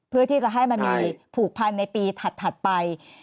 เพื่อที่จะให้มันมีผูกพันในปีถัดไป